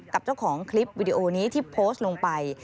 กับเจ้าของคลิปวิดีโอนี้ที่โพสต์ลงไป